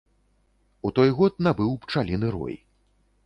У той год набыў пчаліны рой.